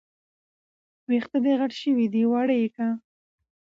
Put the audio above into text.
وېښته دې غټ شوي دي، واړه يې کړه